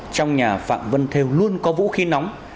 trong nhà phạm vân thêu luôn có vũ khí nóng